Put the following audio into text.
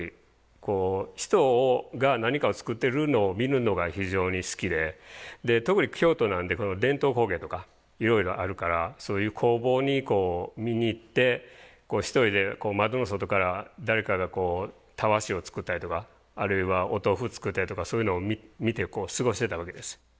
こう人が何かを作ってるのを見るのが非常に好きで特に京都なんで伝統工芸とかいろいろあるからそういう工房に見に行って一人で窓の外から誰かがタワシを作ったりとかあるいはお豆腐作ったりとかそういうのを見て過ごしてたわけです。